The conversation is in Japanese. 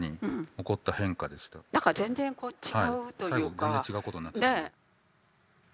最後全然違うことになって。